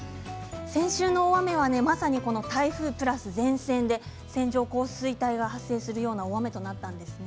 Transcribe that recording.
先週の大雨はまさに台風プラス前線で線状降水帯が発生するような大雨となったんですね。